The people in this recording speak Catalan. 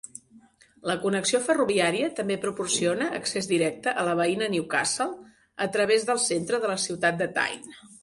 La connexió ferroviària també proporciona accés directe a la veïna Newcastle a través del centre de la ciutat de Tyne.